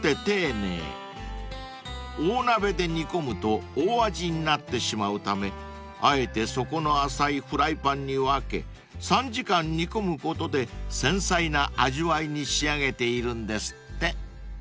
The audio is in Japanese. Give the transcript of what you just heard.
［大鍋で煮込むと大味になってしまうためあえて底の浅いフライパンに分け３時間煮込むことで繊細な味わいに仕上げているんですって］